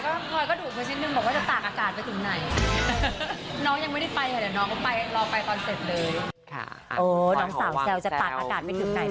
รอยก็ดุคือชิ้นหนึ่งบอกว่าจะตากอากาศไปถึงไหน